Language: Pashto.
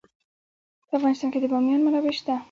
په افغانستان کې د بامیان منابع شته.